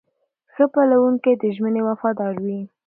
ښه پلورونکی د ژمنې وفادار وي.